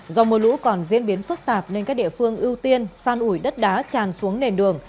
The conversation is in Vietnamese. do mưa lũ còn diễn biến phức tạp nên các địa phương ưu tiên san ủi đất đá tràn xuống nền đường